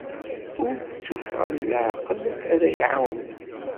Ur d tuffɣa n leɛqel ara iɛawnen.